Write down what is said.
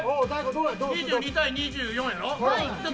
２２対２４やろ。